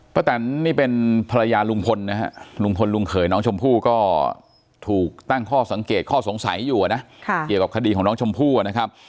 แตนนี่เป็นภรรยาลุงพลนะฮะลุงพลลุงเขยน้องชมพู่ก็ถูกตั้งข้อสังเกตข้อสงสัยอยู่นะเกี่ยวกับคดีของน้องชมพู่นะครับ